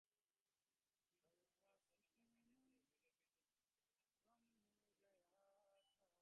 কিন্তু সেসব এলাকায় জাতীয় গ্রিডের বিদ্যুৎ যাওয়ায় সেখানকার মানুষ সৌরবিদ্যুৎ নিচ্ছেন না।